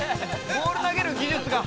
ボール投げる技術が。